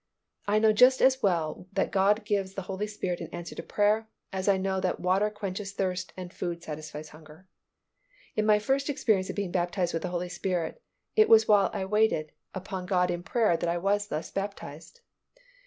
I know just as well that God gives the Holy Spirit in answer to prayer as I know that water quenches thirst and food satisfies hunger. In my first experience of being baptized with the Holy Spirit, it was while I waited upon God in prayer that I was thus baptized.